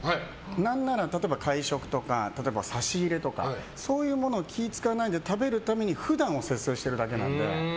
何なら、例えば会食とか差し入れとかそういうものを気を使わないで食べるために普段を節制しているだけで。